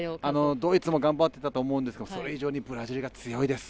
ドイツも頑張ってたと思うんですけどそれ以上にブラジルが強いです。